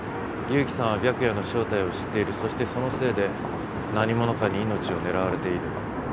勇気さんは白夜の正体を知っているそしてそのせいで何者かに命を狙われている。